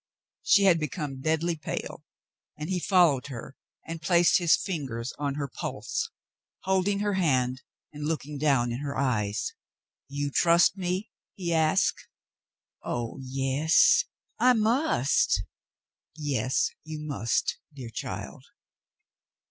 She had become deadly pale, and he followed her and placed his fingers on her pulse, holding her hand and looking down in her eyes. "You trust me.^^" he asked. "Oh, yes. I must." "Yes — you must — dear child.